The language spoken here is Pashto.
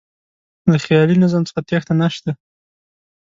له خیالي نظم څخه تېښته نه شته.